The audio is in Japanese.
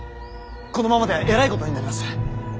このままではえらいことになります。